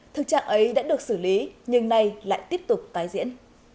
thực trạng ấy đã được xử lý nhưng nay lại tiếp tục tái diễn